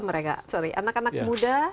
mereka sorry anak anak muda